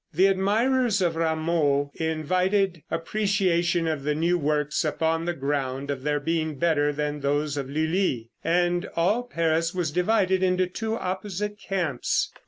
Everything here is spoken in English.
The admirers of Rameau invited appreciation of the new works upon the ground of their being better than those of Lulli, and all Paris was divided into two opposite camps.